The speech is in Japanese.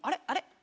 あれ？